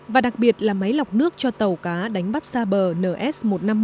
và đặc biệt là máy lọc nước cho tàu cá đánh bắt xa bờ ns một trăm năm mươi ba